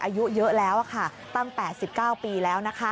อายุเยอะแล้วตั้ง๘๙ปีแล้ว